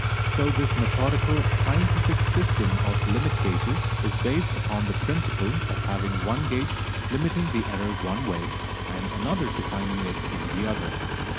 So this methodical "scientific" system of "limit gauges" is based upon the principle of having one gauge limiting the error one way and another defining it in the other.